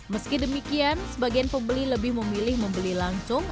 meski demikian sebagian pembeli lebih memilih membeli langsung